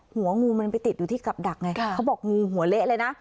หัวงูมันไปติดอยู่ที่กับดักไงเขาบอกงูหัวเละเลยนะ